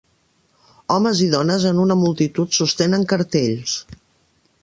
Homes i dones en una multitud sostenen cartells.